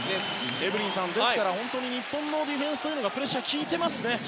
エブリンさん、本当に日本のディフェンスというのがプレッシャーが効いてますね。